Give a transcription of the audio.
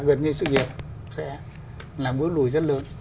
gần như sự nghiệp sẽ là bước lùi rất lớn